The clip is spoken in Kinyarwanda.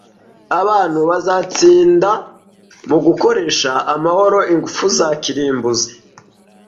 Abantu bazatsinda mugukoresha amahoro ingufu za kirimbuzi.